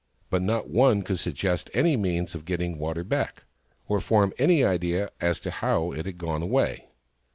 But not one could suggest any means of getting water back, or form an idea as to how it had gone away.